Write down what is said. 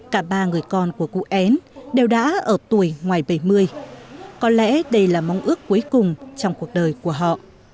cả ba người con của cụ én đều đã ở tuổi ngoài bảy mươi có lẽ đây là mong ước cuối cùng trong cuộc đời của họ